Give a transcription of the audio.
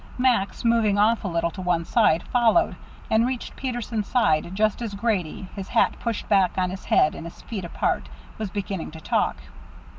Max, moving off a little to one side, followed, and reached Peterson's side just as Grady, his hat pushed back on his head and his feet apart, was beginning to talk.